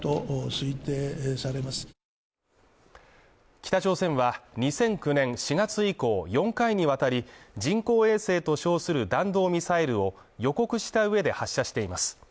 北朝鮮は２００９年４月以降、４回にわたり人工衛星と称する弾道ミサイルを予告した上で発射しています。